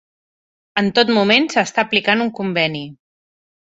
En tot moment s'està aplicant un conveni.